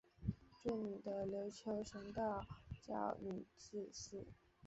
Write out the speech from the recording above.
祝女的琉球神道教女祭司。